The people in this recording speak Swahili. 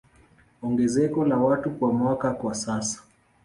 Ongezeko la watu kwa mwaka kwa sasa